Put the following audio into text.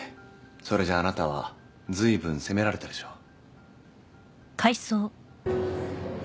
それじゃああなたは随分責められたでしょう